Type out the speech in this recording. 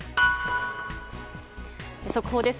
速報です。